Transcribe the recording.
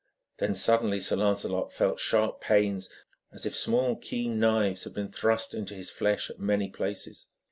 Then suddenly Sir Lancelot felt sharp pains, as if small keen knives had been thrust into his flesh at many places.